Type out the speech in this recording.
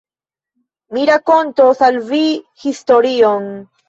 Mi rakontos al vi historion.